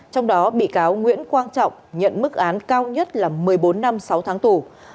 trong đó bị cáo nguyễn quang trọng nhận mức án cao nhất là một mươi bốn năm sáu tháng tù